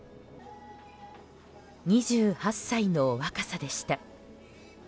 ２８歳の若さでした。